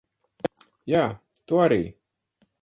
Jā, tu arī.